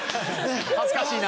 恥ずかしいな。